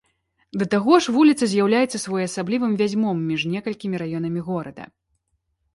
Да таго ж вуліца з'яўляецца своеасаблівым вязьмом між некалькімі раёнамі горада.